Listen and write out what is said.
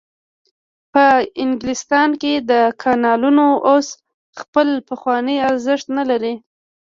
په انګلستان کې کانالونو اوس خپل پخوانی ارزښت نلري.